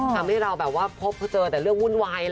ทำให้เราแบบว่าพบเขาเจอแต่เรื่องวุ่นวาย